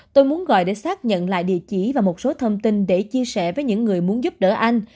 tôi muốn gọi để xác nhận lại địa chỉ và một số thông tin để chia sẻ với những người muốn giúp đỡ anh